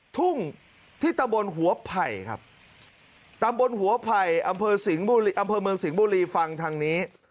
ทุ่งที่ตำบลหัวไผ่ครับตำบลหัวไผ่อำเภอสิงห์บุรีฟังทางนี้